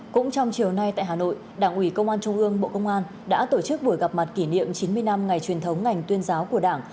cũng trong chiều nay tại hà nội đảng ủy công an trung ương bộ công an đã tổ chức buổi gặp mặt kỷ niệm chín mươi năm ngày truyền thống ngành tuyên giáo của đảng